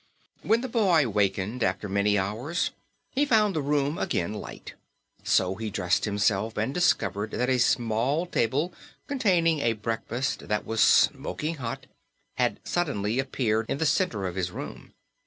When the boy wakened, after many hours, he found the room again light. So he dressed himself and discovered that a small table, containing a breakfast that was smoking hot, had suddenly appeared in the center of his room.